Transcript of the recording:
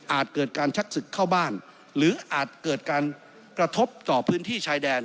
เกิดการชักศึกเข้าบ้านหรืออาจเกิดการกระทบต่อพื้นที่ชายแดน